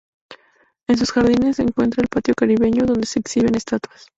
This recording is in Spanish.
En sus jardines se encuentra el Patio Caribeño, donde se exhiben estatuas.